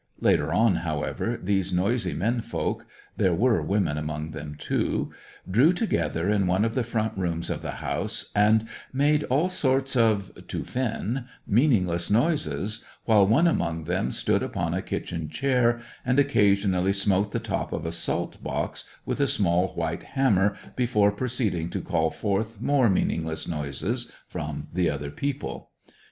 Later on, however, these noisy men folk (there were women among them, too) drew together in one of the front rooms of the house, and made all sorts of to Finn meaningless noises, while one among them stood upon a kitchen chair and occasionally smote the top of a salt box with a small white hammer, before proceeding to call forth more meaningless noises from the other people.